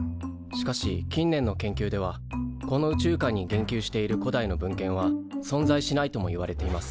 しかし近年の研究ではこの宇宙観に言及している古代の文献は存在しないともいわれています。